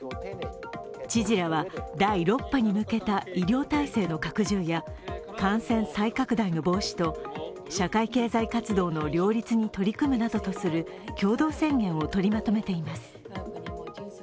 知事らは、第６波に向けた医療体制の拡充や感染再拡大の防止と社会経済活動の両立に取り組むなどとする共同宣言をとりまとめています。